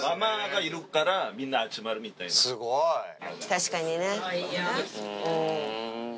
確かにね！